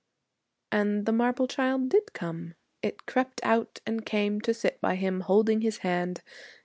And the marble child did come. It crept out and came to sit by him, holding his hand.